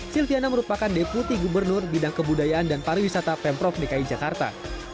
silviana merupakan deputi gubernur bidang kebudayaan dan pariwisata pemprov dki jakarta